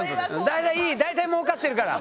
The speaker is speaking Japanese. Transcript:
大体もうかってるから。